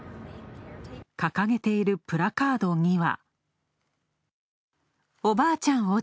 掲げているプラカードには。